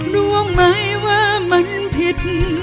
รู้ไหมว่ามันผิด